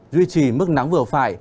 duy trì mức nắng vừa phải